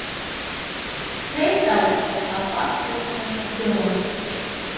Сцеит ауп акәаԥ рацәа ргылан.